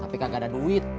tapi kagak ada duit